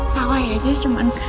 salah ya jess cuman